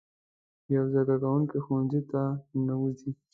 یو زده کوونکی ښوونځي ته ننوځي.